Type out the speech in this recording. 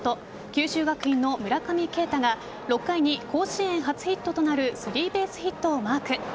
九州学院の村上慶太が６回に甲子園初ヒットとなるスリーベースヒットをマーク。